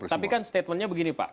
tapi kan statementnya begini pak